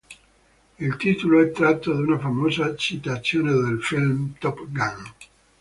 Il titolo è tratto da una famosa citazione del film "Top Gun".